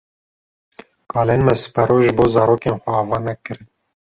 Kalên me siberoj ji bo zarokên xwe ava nekirin.